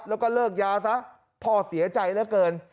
แล้วก็เลิกยาซะพ่อเสียใจเหลือเกิน